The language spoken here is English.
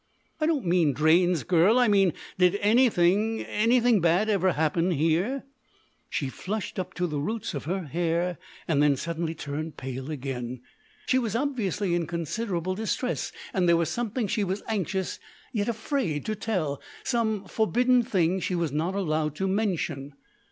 "I don't mean drains, girl. I mean, did anything anything bad ever happen here?" She flushed up to the roots of her hair, and then turned suddenly pale again. She was obviously in considerable distress, and there was something she was anxious, yet afraid to tell some forbidden thing she was not allowed to mention.